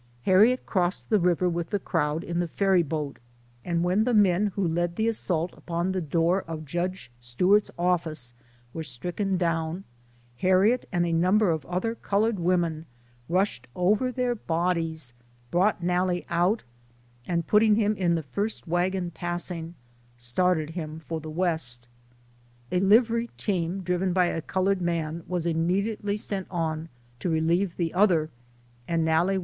Harriet crossed the river with the crowd, in the ferry boat, and when the men who led the assault upon the door of Judge Stew art's office, were stricken down, Harriet and a number of other colored women rushed over their bodies, brought Nalle out, and putting him in the first wagon passing, smarted him for the West. A livery team, driven by a colored man, was im mediately s ent on to relieve the other, and Xalle LIFE OF HARRIET TUBMAN.